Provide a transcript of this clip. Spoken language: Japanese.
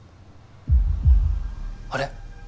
あれ？